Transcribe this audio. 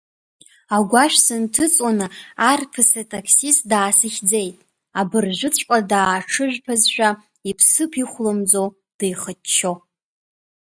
Агәашә сынҭыҵуаны арԥыс Атаксист даасыхьӡеит, абыржәыҵәҟьа дааҽыжәԥазшәа иԥсыԥ ихәламӡо, деихаччо.